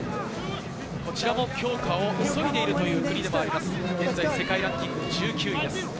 こちらも強化を急いでいるという国でもあります、世界ランキング１９位です。